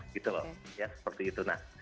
gitu loh seperti itu